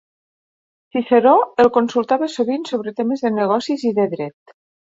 Ciceró el consultava sovint sobre temes de negocis i de dret.